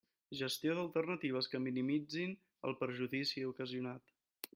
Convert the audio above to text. Gestió d'alternatives que minimitzin el perjudici ocasionat.